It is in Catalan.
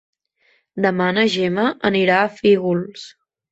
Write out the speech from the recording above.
Demà na Gemma anirà a Fígols.